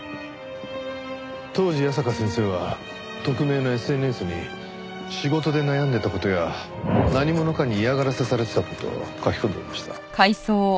当時矢坂先生は匿名のＳＮＳに仕事で悩んでた事や何者かに嫌がらせされてた事を書き込んでいました。